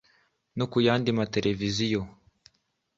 no ku yandi mateleviziyo